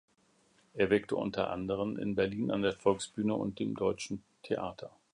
Er wirkte unter anderem in Berlin an der Volksbühne und dem Deutschen Theater.